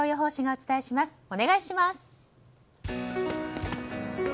お願いします。